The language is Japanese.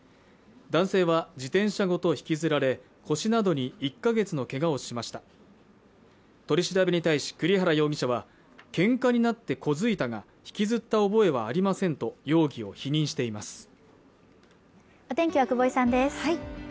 男性は自転車ごと引きずられ腰などに１か月の怪我をしました取り調べに対し栗原容疑者はケンカになって小突いたが引きずった覚えはありませんと容疑を否認しています